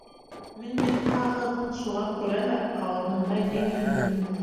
Мин бит ҡағыҙ, шуға күрә лә ҡауырһындай еңелмен.